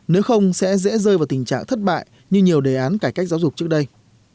nếu không sẽ dễ rơi vào tình trạng thất bại như nhiều đề án cải cách giáo dục trước đây